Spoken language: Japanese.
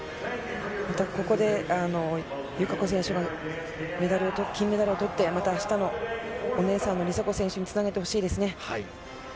またここで友香子選手が金メダルをとって、また、あしたのお姉さんの梨紗子選手につなげてほしいですね。